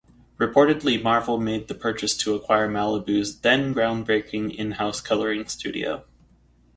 Reportedly Marvel made the purchase to acquire Malibu's then-groundbreaking in-house coloring studio.